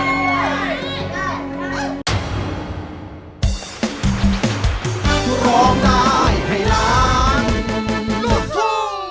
มันน่ะจ๊ะ